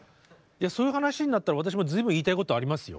いやそういう話になったら私も随分言いたいことありますよ！